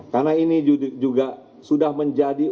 karena ini juga sudah menjadi